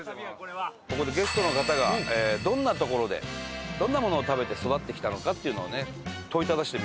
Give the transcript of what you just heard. ここでゲストの方がどんな所でどんなものを食べて育ってきたのかっていうのをね問いただしてみたいと。